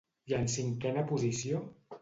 I en cinquena posició?